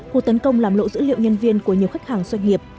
cuộc tấn công làm lộ dữ liệu nhân viên của nhiều khách hàng doanh nghiệp